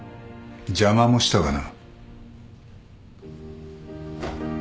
邪魔もしたがな。